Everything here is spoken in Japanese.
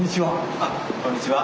あっこんにちは。